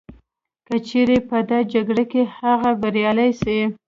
که چیري په دا جګړه کي هغه بریالی سي